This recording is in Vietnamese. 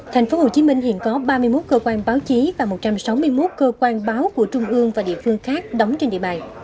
tp hcm hiện có ba mươi một cơ quan báo chí và một trăm sáu mươi một cơ quan báo của trung ương và địa phương khác đóng trên địa bàn